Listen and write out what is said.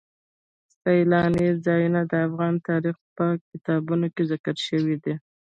سیلانی ځایونه د افغان تاریخ په کتابونو کې ذکر شوی دي.